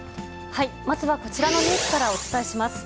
まずはこちらのニュースからお伝えします。